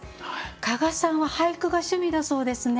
加賀さんは俳句が趣味だそうですね。